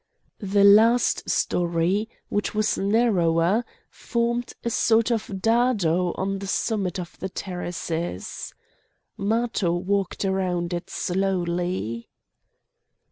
The last story, which was narrower, formed a sort of dado on the summit of the terraces. Matho walked round it slowly.